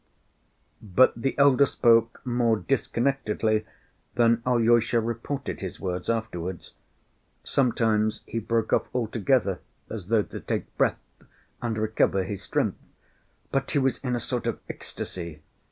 But the elder spoke more disconnectedly than Alyosha reported his words afterwards. Sometimes he broke off altogether, as though to take breath, and recover his strength, but he was in a sort of ecstasy.